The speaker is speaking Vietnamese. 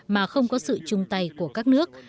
mà không có sự chung tay của các nước